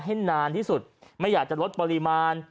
ให้นานที่สุดไม่อยากจะลดปริมาณ